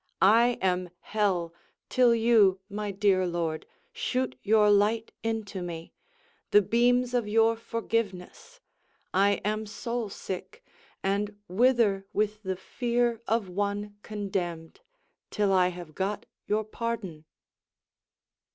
I am hell, Till you, my dear lord, shoot your light into me, The beams of your forgiveness; I am soul sick, And wither with the fear of one condemned, Till I have got your pardon.